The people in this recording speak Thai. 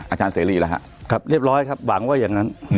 อาจารย์เสรีแล้วฮะครับเรียบร้อยครับหวังว่าอย่างนั้น